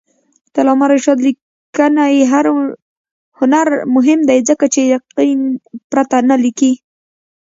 د علامه رشاد لیکنی هنر مهم دی ځکه چې یقین پرته نه لیکي.